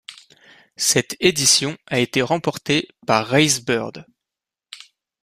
Cette édition a été remportée par Rayce Bird.